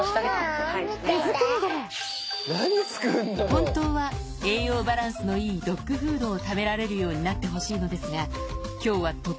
本当は栄養バランスのいいドッグフードを食べられるようになってほしいのですが。